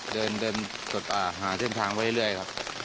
เดินหาเส้นทางไว้เรื่อยครับ